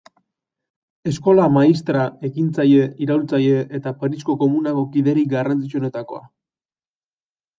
Eskola-maistra, ekintzaile iraultzaile eta Parisko Komunako kiderik garrantzitsuenetakoa.